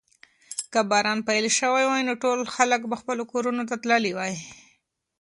که باران پیل شوی وای نو ټول خلک به خپلو کورونو ته تللي وای.